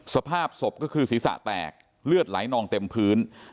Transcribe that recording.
สภาพศพก็คือศีรษะแตกเลือดไหลนองเต็มพื้น